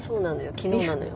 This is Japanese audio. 昨日なのよ。